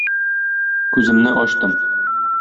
Күземне ачтым.